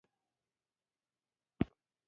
هر پسرلۍ پرېمانه اوبه هسې ضايع كېږي،